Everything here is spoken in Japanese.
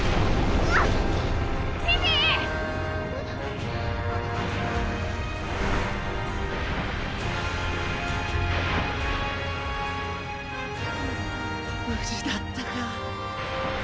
はあ無事だったか。